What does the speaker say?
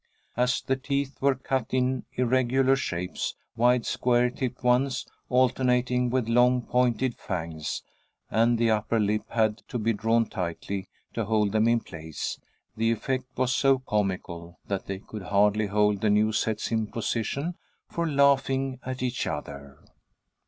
As the teeth were cut in irregular shapes, wide square tipped ones alternating with long pointed fangs, and the upper lip had to be drawn tightly to hold them in place, the effect was so comical that they could hardly hold the new sets in position for laughing at each other.